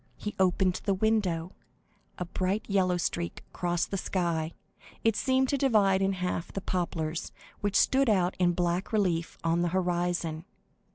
He opened the window; a bright yellow streak crossed the sky, and seemed to divide in half the poplars, which stood out in black relief on the horizon.